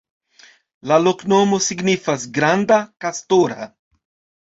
La loknomo signifas: granda-kastora.